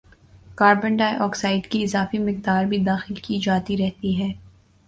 carbon dioxide کی اضافی مقدار بھی داخل کی جاتی رہتی ہے